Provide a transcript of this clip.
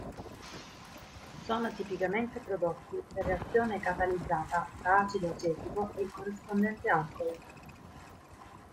Sono tipicamente prodotti per reazione catalizzata tra acido acetico e il corrispondente alcol.